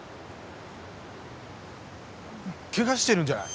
ケガしてるんじゃない？